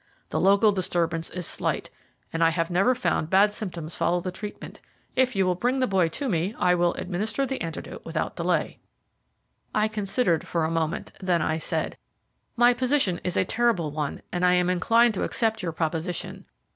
The local disturbance is slight, and I have never found bad symptoms follow the treatment. If you will bring the boy to me I will administer the antidote without delay." I considered for a moment, then I said: "My position is a terrible one, and I am inclined to accept your proposition.